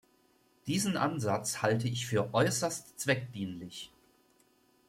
Diesen Ansatz halte ich für äußerst zweckdienlich.